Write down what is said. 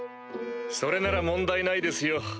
それなら問題ないですよ。